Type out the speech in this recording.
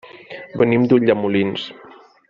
Venim d'Ulldemolins.